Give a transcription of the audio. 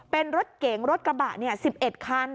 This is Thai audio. เป็นรถเก๋งรถกระบะ๑๑คัน